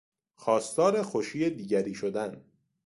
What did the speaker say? خواستار خوشی دیگری شدن